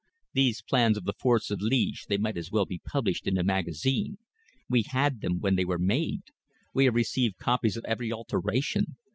These plans of the forts of Liège they might as well be published in a magazine. We had them when they were made. We have received copies of every alteration.